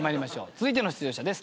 続いての出場者です。